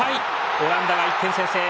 オランダが１点先制。